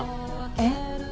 えっ？